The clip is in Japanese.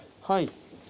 はい。